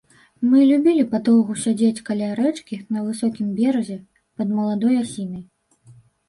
Мы любілі падоўгу сядзець каля рэчкі, на высокім беразе, пад маладой асінай.